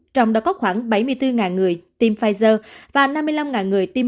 trong đó có khoảng bảy mươi bốn người tiêm pfizer và năm mươi năm người tiêm